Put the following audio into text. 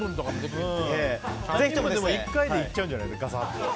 １回でいっちゃうんじゃないの。